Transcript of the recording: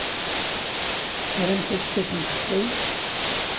Tramt askaf n texsayt?